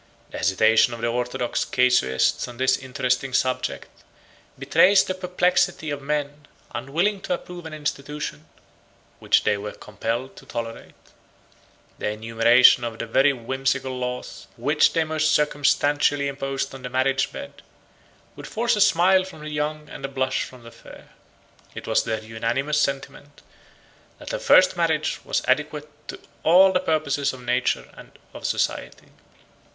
The hesitation of the orthodox casuists on this interesting subject, betrays the perplexity of men, unwilling to approve an institution which they were compelled to tolerate. 92 The enumeration of the very whimsical laws, which they most circumstantially imposed on the marriage bed, would force a smile from the young and a blush from the fair. It was their unanimous sentiment that a first marriage was adequate to all the purposes of nature and of society.